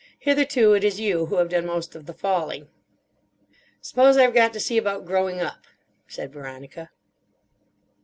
"Hitherto it is you who have done most of the falling." "Suppose I've got to see about growing up," said Veronica.